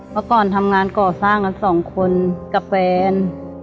เมื่อก่อนทำงานก่อสร้างกันสองคนกับแฟน